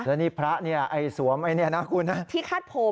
แล้วนี่พระเนี่ยไอ้สวมครับครับ